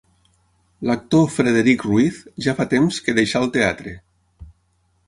L'actor Frederic Ruiz ja fa temps que deixà el teatre.